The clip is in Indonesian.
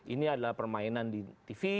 ini adalah permainan di tv